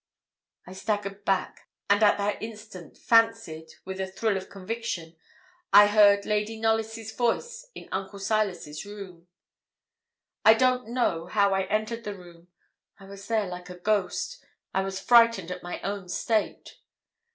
I staggered back, and at that instant fancied, with a thrill of conviction, I heard Lady Knollys's voice in Uncle Silas' room. I don't know how I entered the room; I was there like a ghost. I was frightened at my own state.